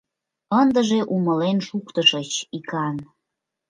— Ындыже умылен шуктышыч икан.